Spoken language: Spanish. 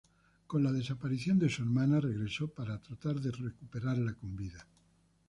Con la desaparición de su hermana regresó para tratar de recuperarla con vida.